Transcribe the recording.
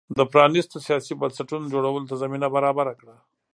د پرانیستو سیاسي بنسټونو جوړولو ته زمینه برابره کړه.